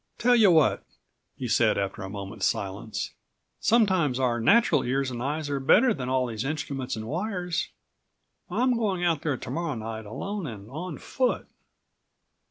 "Tell you what," he said after a moment's silence, "sometimes our natural ears and eyes are better than all these instruments and wires. I'm going out there to morrow night alone and on foot."